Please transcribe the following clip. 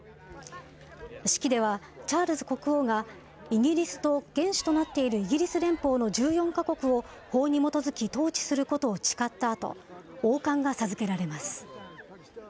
式ではチャールズ国王がイギリスと元首となっているイギリス連邦の１４か国を法に基づき統治することを誓ったあと、王冠が授けられます。